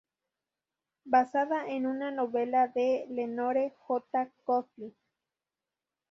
Basada en una novela de Lenore J. Coffee.